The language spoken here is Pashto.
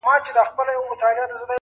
o یو احمد وو بل محمود وو سره ګران وه,